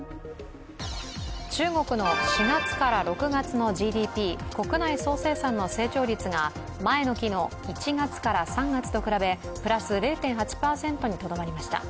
中国の４月から６月のＧＤＰ＝国内総生産の成長率が前の期の１月から３月と比べプラス０．８％にとどまりました。